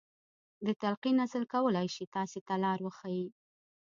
د تلقين اصل کولای شي تاسې ته لار وښيي.